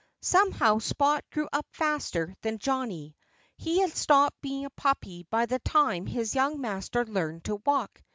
Somehow Spot grew up faster than Johnnie. He had stopped being a puppy by the time his young master learned to walk.